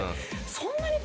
そんなに。